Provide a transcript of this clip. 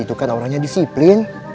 itu kan orangnya disiplin